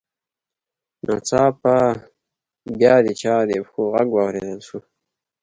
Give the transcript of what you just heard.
ناڅاپه بیا د چا د پښو غږ واورېدل شو